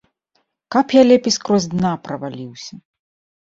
Каб я лепей скрозь дна праваліўся.